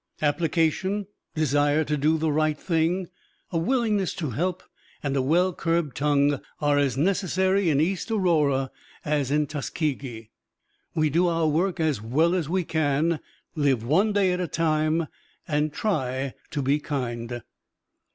Application, desire to do the right thing, a willingness to help, and a well curbed tongue are as necessary in East Aurora as in Tuskegee. We do our work as well as we can, live one day at a time, and try to be kind.